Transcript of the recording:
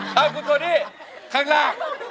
เธอก็ตัวนี่ข้างล่า